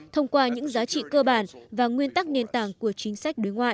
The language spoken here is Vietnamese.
thông qua những giá trị cơ bản và nguyên tắc nền tảng của chính sách đối ngoại